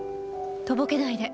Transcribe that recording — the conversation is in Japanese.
とぼけないで。